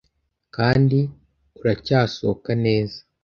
Kandi uracyasohoka neza: